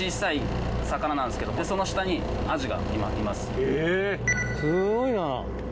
すごいな。